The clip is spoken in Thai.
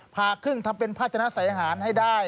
พาครึ่งทำเป็นพาชนะใส่อาหารให้ได้